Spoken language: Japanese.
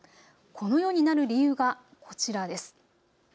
このようになる理由がこちらです。